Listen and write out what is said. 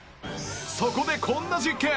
そこでこんな実験。